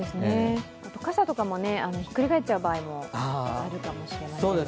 傘とかもひっくり返っちゃう場合もあるかもしれませんので。